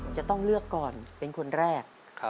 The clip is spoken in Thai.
จะต้องเลือกก่อนเป็นคนแรก